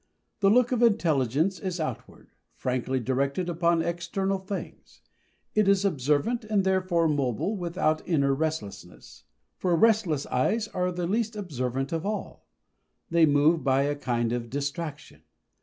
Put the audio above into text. The look of intelligence is outward frankly directed upon external things; it is observant, and therefore mobile without inner restlessness. For restless eyes are the least observant of all they move by a kind of distraction.